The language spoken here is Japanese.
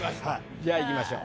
じゃあいきましょう。